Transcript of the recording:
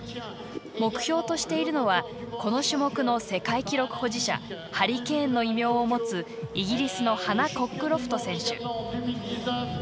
目標としているのはこの種目の世界記録保持者「ハリケーン」の異名を持つイギリスのハナ・コックロフト選手。